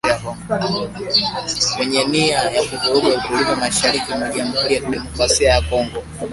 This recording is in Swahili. wenye nia ya kuvuruga utulivu mashariki mwa jamuhuri ya kidemokrasia ya Kongo